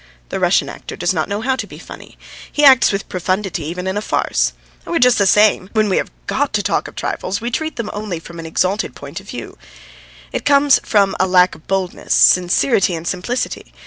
The Russian actor does not know how to be funny; he acts with profundity even in a farce. We're just the same: when we have got to talk of trifles we treat them only from an exalted point of view. It comes from a lack of boldness, sincerity, and simplicity.